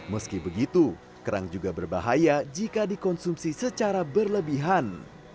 meski begitu kerang juga berbahaya jika dikonsumsi secara berlebihan